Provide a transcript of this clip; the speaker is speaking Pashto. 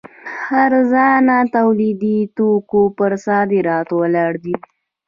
ارزانه تولیدي توکو پر صادراتو ولاړ دی.